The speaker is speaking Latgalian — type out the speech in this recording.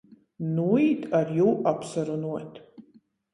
Nūīt ar jū apsarunuot.